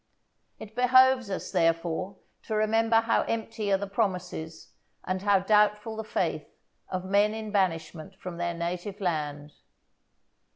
It behoves us, therefore, to remember how empty are the promises, and how doubtful the faith, of men in banishment from their native land.